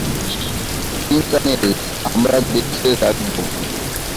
চিন্তা নেই, আমরা দেখে রাখবো।